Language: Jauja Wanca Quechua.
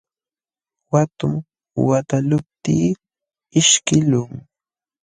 Watum wataqluptii ishkiqlun.